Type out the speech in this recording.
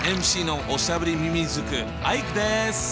ＭＣのおしゃべりみみずくアイクです！